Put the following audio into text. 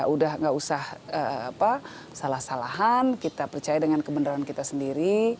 udah gak usah salah salahan kita percaya dengan kebenaran kita sendiri